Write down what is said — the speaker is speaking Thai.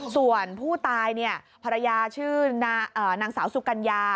ส่วนผู้ตายเนี่ยภรรยาชื่อนางสาวสุกัญญา